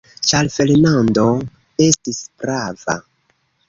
Ĉar Fernando estis prava.